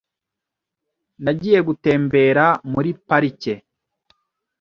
Nagiye gutembera muri parike .